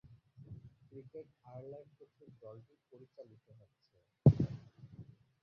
Cricket Ireland কর্তৃক দলটি পরিচালিত হচ্ছে।